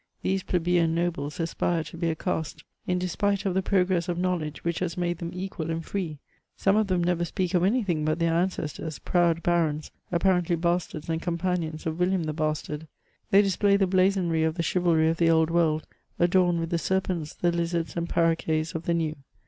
These plebeian nobles aspire to be a caste in despite of the progress of knowledge which has made them equal and free. Some of them never speak of any thing but their ancestors, proud bux>ns, i^parently bastards and companions of ^ William the Bastard ; they display the blazonry of the chivalry of the Old World, adorned with the serpents, tne lizards, and parroquets of the New.